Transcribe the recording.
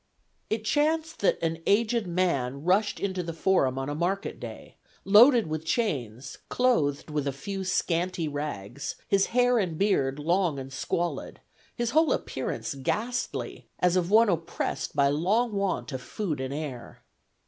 It chanced that an aged man rushed into the Forum on a market day, loaded with chains, clothed with a few scanty rags, his hair and beard long and squalid; his whole appearance ghastly, as of one oppressed by long want of food and air.